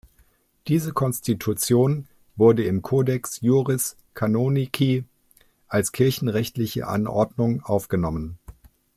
Diese Konstitution wurde im Codex Iuris Canonici als kirchenrechtliche Anordnung aufgenommen.